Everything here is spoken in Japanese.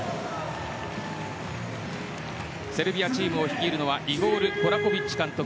セルビアチームを率いるのはイゴル・コラコビッチ監督。